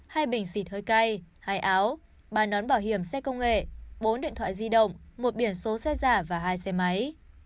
hai bình xịt hơi cay hai áo ba nón bảo hiểm xe công nghệ bốn điện thoại di động một biển số xe giả và hai xe máy